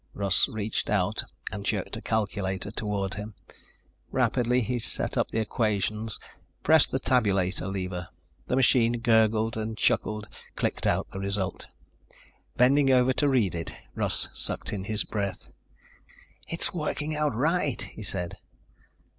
Russ reached out and jerked a calculator toward him. Rapidly he set up the equations, pressed the tabulator lever. The machine gurgled and chuckled, clicked out the result. Bending over to read it, Russ sucked in his breath. "It's working out right," he said.